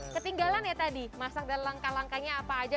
ketinggalan ya tadi masak dan langkah langkahnya apa aja